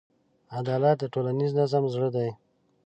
عدالت د ټولنیز نظم زړه دی.